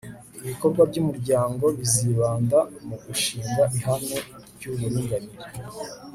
ibikorwa by'umuryango bizibanda mu gushing ihame ry'uburinganire